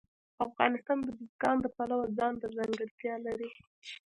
افغانستان د بزګان د پلوه ځانته ځانګړتیا لري.